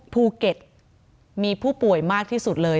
ภูเก็ตมีผู้ป่วยมากที่สุดเลย